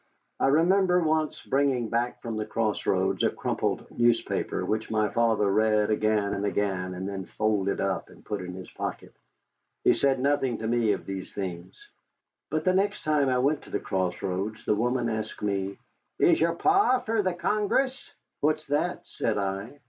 I remember once bringing back from the Cross Roads a crumpled newspaper, which my father read again and again, and then folded up and put in his pocket. He said nothing to me of these things. But the next time I went to the Cross Roads, the woman asked me: "Is your Pa for the Congress?" "What's that?" said I.